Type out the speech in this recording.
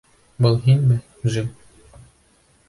— Был һинме, Джим?